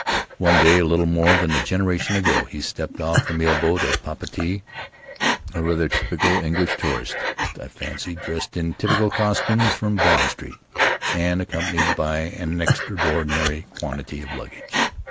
One day, a little more than a generation ago, he stepped off the mail boat at Papeete — a rather typical English tourist, I fancy — dressed in Faery Lands of the South Seas tropical costumes from Bond Street and accompanied by an extraordinary quantity of luggage.